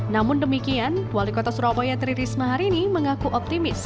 namun demikian wali kota surabaya tri risma hari ini mengaku optimis